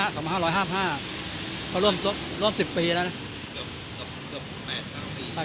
ก็ร่วม๑๐ปีแล้วเนี่ย